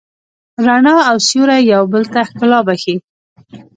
رڼا او سیوری یو بل ته ښکلا بښي.